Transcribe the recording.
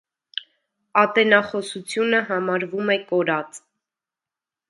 Ատենախոսությունը համարվում է կորած։